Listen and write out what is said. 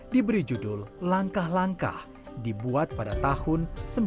diberi judul langkah langkah dibuat pada tahun seribu sembilan ratus sembilan puluh